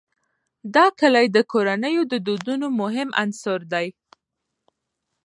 دا کلي د کورنیو د دودونو مهم عنصر دی.